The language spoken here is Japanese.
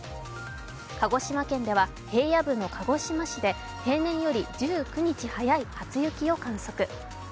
鹿児島県では平野部の鹿児島市で平年より１９日早い初雪を観測。